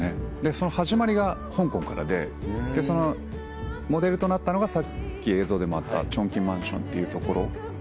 その始まりが香港からでそのモデルとなったのがさっき映像でもあった重慶大厦っていう所。